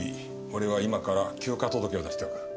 俺は今から休暇届を出しておく。